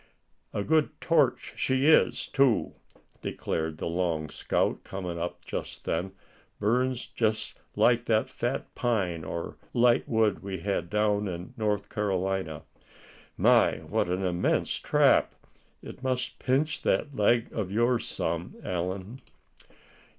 "A good torch she is, too," declared the long scout, coming up just then; "burns just like that fat pine or light wood we had down in North Carolina. My! what an immense trap. It must pinch that leg of yours some, Allan."